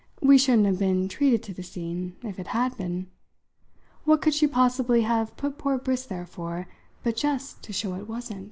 We shouldn't have been treated to the scene if it had been. What could she possibly have put poor Briss there for but just to show it wasn't?"